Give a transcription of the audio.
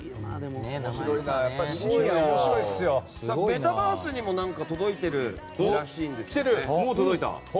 メタバースにも届いてるらしいですね。